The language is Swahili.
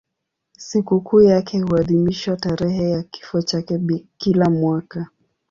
Sikukuu yake huadhimishwa tarehe ya kifo chake kila mwaka.